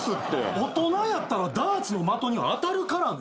大人やったらダーツの的に当たるからね。